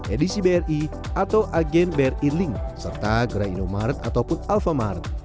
edisi bri atau agen bri link serta gera inomaret ataupun alfamart